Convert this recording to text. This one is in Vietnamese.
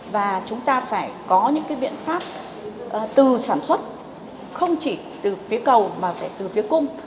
và chúng ta phải có những biện pháp từ sản xuất không chỉ từ phía cầu mà phải từ phía cung